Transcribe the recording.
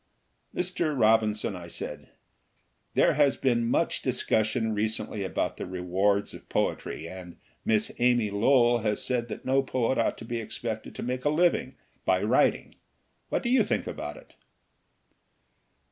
'" "Mr. Robinson," I said, "there has been much discussion recently about the rewards of poetry, and Miss Amy Lowell has said that no poet ought to be expected to make a living by writing. What do you think about it?"